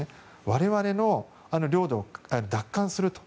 我々の領土を奪還すると。